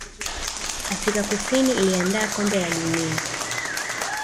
afrika kusini iliandaa kombe la dunia